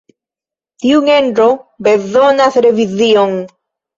Tiu genro bezonas revizion.